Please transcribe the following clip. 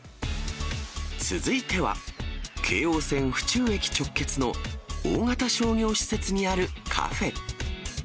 続いては、京王線府中駅直結の、大型商業施設にあるカフェ。